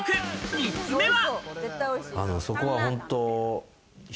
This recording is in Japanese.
３つ目は。